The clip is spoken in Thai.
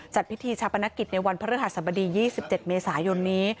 จัดพิธีชาปนกิจในวันพระฤหัสบดี๒๗เมษายนนี้